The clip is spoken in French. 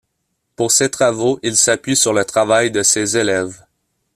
Pour ses travaux, il s'appuie sur le travail de ses élèves.